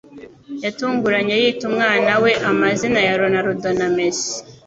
yatunguranye yita umwana we amazina ya Ronaldo na Messi